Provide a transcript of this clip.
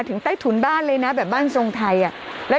กรมป้องกันแล้วก็บรรเทาสาธารณภัยนะคะ